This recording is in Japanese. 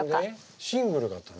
シングルだったの？